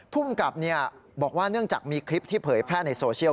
ภูมิกับบอกว่าเนื่องจากมีคลิปที่เผยแพร่ในโซเชียล